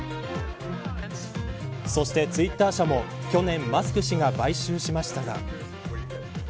そしてツイッター社も去年マスク氏が買収しましたが。